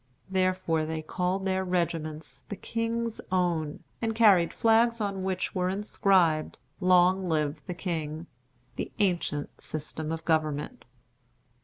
Therefore they called their regiments "The King's Own," and carried flags on which were inscribed, "Long live the King," "The Ancient System of Government."